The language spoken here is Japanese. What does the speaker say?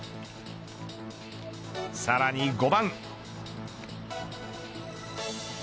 さらに５番。